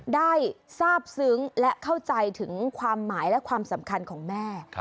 ได้ทราบซึ้งและเข้าใจถึงความหมายและความสำคัญของแม่